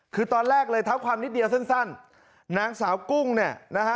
คือตอนแรกเลยเท้าความนิดเดียวสั้นนางสาวกุ้งเนี่ยนะฮะ